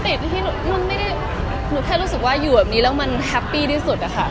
ที่มันไม่ได้หนูแค่รู้สึกว่าอยู่แบบนี้แล้วมันแฮปปี้ที่สุดอะค่ะ